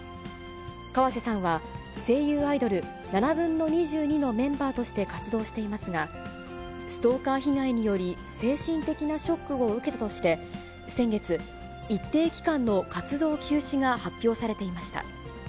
河瀬さんは、声優アイドル、２２／７のメンバーとして活動していますが、ストーカー被害により、精神的なショックを受けたとして先月、一定期間の活動休止が発表されていました。